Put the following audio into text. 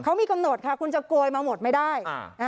เขามีกำหนดค่ะคุณจะโกยมาหมดไม่ได้